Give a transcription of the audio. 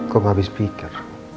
kamu gak habis pikir